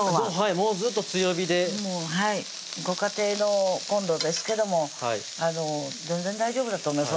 もうずっと強火でご家庭のコンロですけども全然大丈夫だと思います